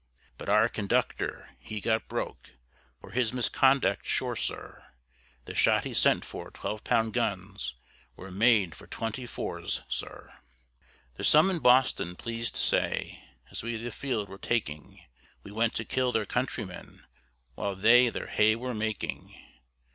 But our conductor, he got broke For his misconduct sure, sir; The shot he sent for twelve pound guns, Were made for twenty fours, sir. There's some in Boston pleased to say, As we the field were taking, We went to kill their countrymen, While they their hay were making.